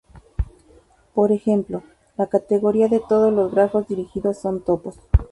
Por ejemplo, la categoría de todos los grafos dirigidos son topos.